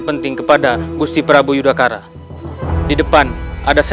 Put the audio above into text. permisi nih mas